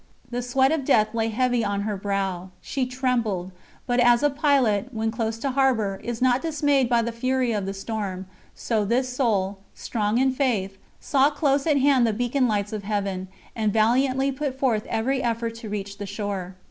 The sweat of death lay heavy on her brow ... she trembled ... but, as a pilot, when close to harbour, is not dismayed by the fury of the storm, so this soul, strong in faith, saw close at hand the beacon lights of Heaven, and valiantly put forth every effort to reach the shore.